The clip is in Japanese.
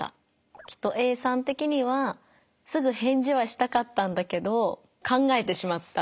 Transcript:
きっとＡさん的にはすぐ返事はしたかったんだけど